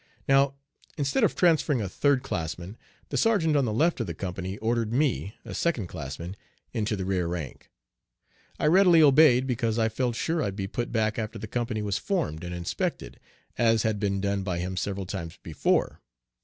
Now instead of transferring a third classman, the sergeant on the left of the company ordered me, a second classman, into the rear rank. I readily obeyed, because I felt sure I'd be put back after the company was formed and inspected, as had been done by him several times before.